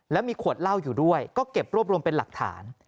แล้วมีขวดเหล้าอยู่ด้วยก็เก็บรวบรวมเป็นหลักฐาน